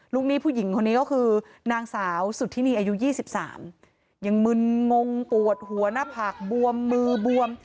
หนี้ผู้หญิงคนนี้ก็คือนางสาวสุธินีอายุ๒๓ยังมึนงงปวดหัวหน้าผากบวมมือบวม